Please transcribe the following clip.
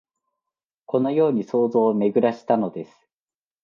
このように想像をめぐらしたのです